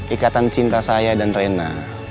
ikatan cinta saya dan rena